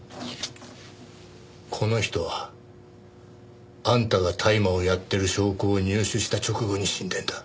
この人はあんたが大麻をやってる証拠を入手した直後に死んでんだ。